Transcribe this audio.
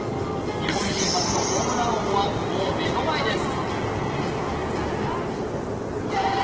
日本人初のホームラン王は、もう目の前です。